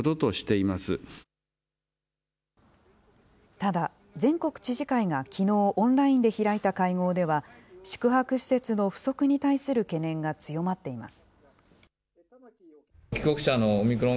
ただ、全国知事会がきのう、オンラインで開いた会合では、宿泊施設の不足に対する懸念が強まっています。